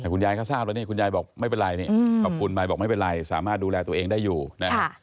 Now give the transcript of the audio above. คุณยายก็ทราบแล้วนี่คุณยายบอกไม่เป็นไรนี่ขอบคุณไปบอกไม่เป็นไรสามารถดูแลตัวเองได้อยู่นะครับ